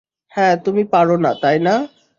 হ্যাঁ, তুমি পারো না, তাই না?